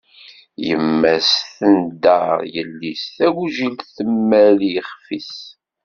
Yemma-s tneddaṛ yelli-s, tagujilt temmal i yixef-is.